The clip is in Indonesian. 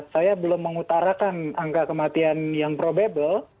saya belum mengutarakan angka kematian yang probable